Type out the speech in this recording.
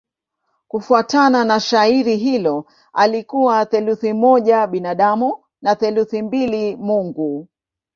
Kufuatana na shairi hilo alikuwa theluthi moja binadamu na theluthi mbili mungu.